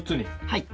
はい。